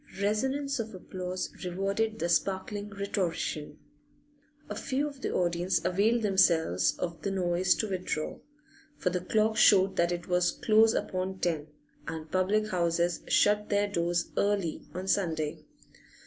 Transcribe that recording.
Resonance of applause rewarded the sparkling rhetorician. A few of the audience availed themselves of the noise to withdraw, for the clock showed that it was close upon ten, and public houses shut their doors early on Sunday.